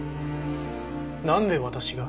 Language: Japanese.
なんで私が？